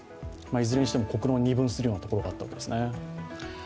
いずれにしても国論を二分するようなところがあったわけですね。